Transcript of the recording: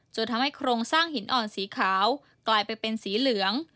ทำให้โครงสร้างหินอ่อนสีขาวกลายไปเป็นสีเหลือง